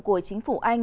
của chính phủ anh